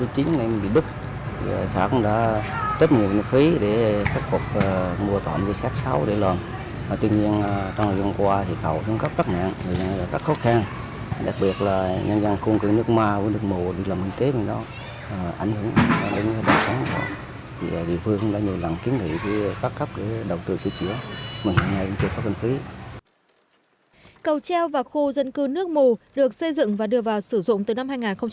cầu treo và khu dân cư nước mù được xây dựng và đưa vào sử dụng từ năm hai nghìn bảy